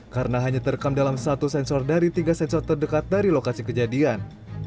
karena hanya terekam dalam satu sensor dari tiga sensor terdekat dari lokasi kejadian